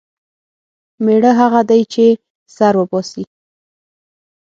مېړه هغه دی چې سر وباسي.